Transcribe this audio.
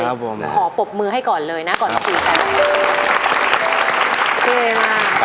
ครับผมขอปบมือให้ก่อนเลยนะก่อนที่สุด